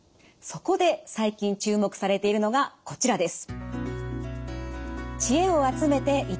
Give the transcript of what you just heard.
そこで最近注目されているのがこちらです。